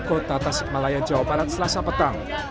kota tasikmalaya jawa barat selasa petang